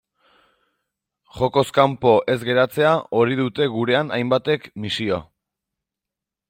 Jokoz kanpo ez geratzea, hori dute gurean hainbatek misio.